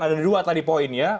ada dua tadi poin ya